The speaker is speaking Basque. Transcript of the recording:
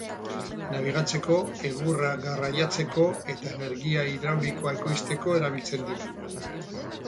Nabigatzeko, egurra garraiatzeko eta energia hidraulikoa ekoizteko erabiltzen dira.